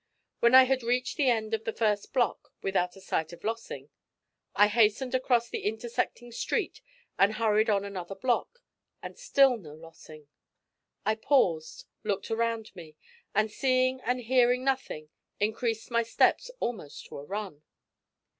When I had reached the end of the first block, without a sight of Lossing, I hastened across the intersecting street and hurried on another block, and still no Lossing. I paused, looked around me, and seeing and hearing nothing, increased my steps almost to a run.